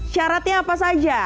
syaratnya apa saja